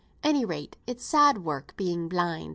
Any rate it's sad work, being blind."